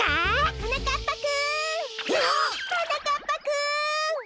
はなかっぱくん！